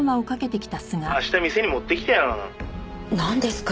明日店に持ってきてよ」なんですか？